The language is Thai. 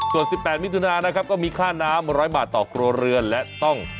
ใช้เมียได้ตลอด